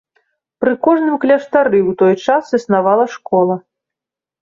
Пры кожным кляштары ў той час існавала школа.